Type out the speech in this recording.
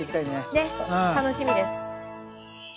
ねっ楽しみです。